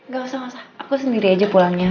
gak usah gak usah aku sendiri aja pulangnya